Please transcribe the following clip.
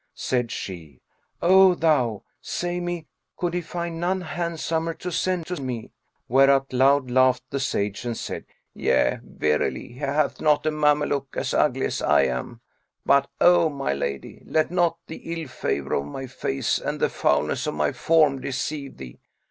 Said she, "O thou! say me, could he find none handsomer to send to me?"; whereat loud laughed the Sage and said, "Yea verily, he hath not a Mameluke as ugly as I am; but, O my lady, let not the ill favour of my face and the foulness of my form deceive thee.